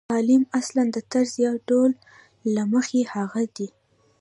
کالم اصلاً د طرز یا ډول له مخې هغه دی.